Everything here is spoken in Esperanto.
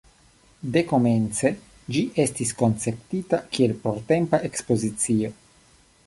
Dekomence ĝi estis konceptita kiel portempa ekspozicio.